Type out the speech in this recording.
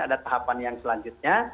ada tahapan yang selanjutnya